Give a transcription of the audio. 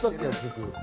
約束。